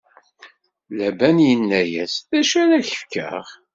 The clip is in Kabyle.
Laban inna-yas: D acu ara k-fkeɣ?